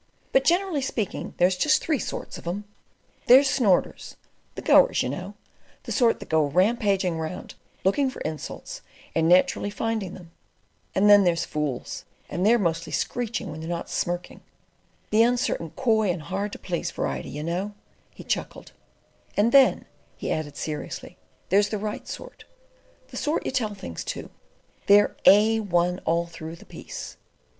"But, generally speaking, there's just three sorts of 'em. There's Snorters—the goers, you know—the sort that go rampaging round, looking for insults, and naturally finding them; and then there's fools; and they're mostly screeching when they're not smirking—the uncertain coy and hard to please variety, you know," he chuckled, "and then," he added seriously, "there's the right sort, the sort you tell things to. They're A1 all through the piece."